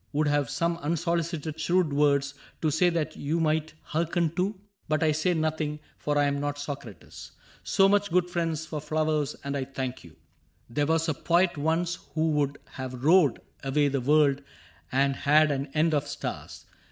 Would have some unsolicited shrewd words To say that you might hearken to ; but I Say nothing, for I am not Socrates. — So much, good friends, for flowers; and I thank you. CAPTAIN CRAIG 63 *' There was a poet once who would have roared Away the world and had an end of stars.